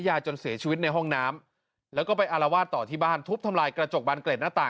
ยาจนเสียชีวิตในห้องน้ำแล้วเขาไปอรวาตอที่บ้านทุบทำลายกระจกบันเกล็ด